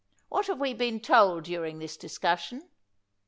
What have we been told during this dis cussion